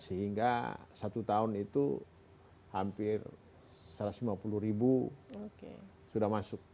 sehingga satu tahun itu hampir satu ratus lima puluh ribu sudah masuk